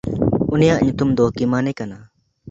ᱩᱱᱤᱭᱟᱜ ᱧᱩᱛᱩᱢ ᱫᱚ ᱠᱤᱢᱟᱱᱮ ᱠᱟᱱᱟ᱾